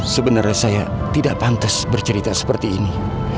sebenarnya saya tidak pantas bercerita seperti ini